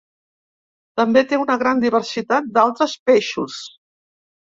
També té una gran diversitat d'altres peixos.